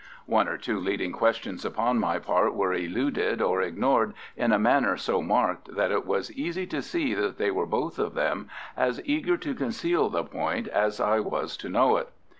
One or two leading questions upon my part were eluded or ignored in a manner so marked that it was easy to see that they were both of them as eager to conceal the point as I was to know it.